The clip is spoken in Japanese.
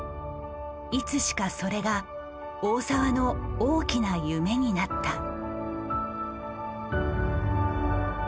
いつしかそれが大澤の大きな夢になった。